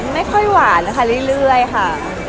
ไม่ค่อยหวานนะคะเรื่อยค่ะ